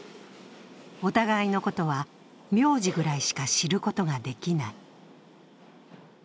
お互いのことは、名字ぐらいしか知ることができない。